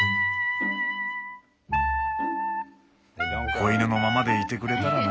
子犬のままでいてくれたらな。